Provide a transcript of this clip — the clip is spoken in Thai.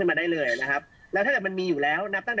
ทำไมต้องถึงมาโผล่เอาตอน